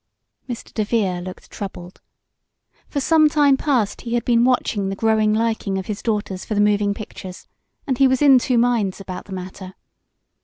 Mr. DeVere looked troubled. For some time past he had been watching the growing liking of his daughters for the moving pictures, and he was in two minds about the matter.